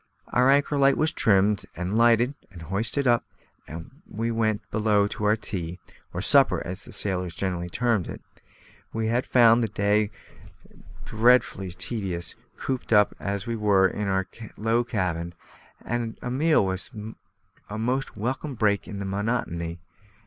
Our anchor light was trimmed and lighted and hoisted up, and we went below to our tea, or supper, as sailors generally term it. We had found the day dreadfully tedious, cooped up as we were in our low cabin, and a meal was a most welcome break in the monotony.